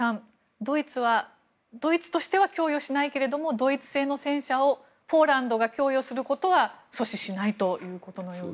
ドイツは、ドイツとしては供与はしないけれどもドイツ製の戦車をポーランドが供与することは阻止しないということのようです。